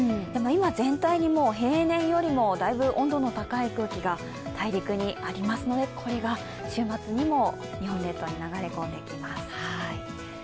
今全体に平年よりも温度の高い空気が大陸にありますのでこれが週末にも日本列島に流れ込んできます。